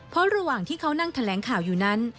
เพราะระหว่างที่เขานั่งแถลงข่าวอยู่นั้น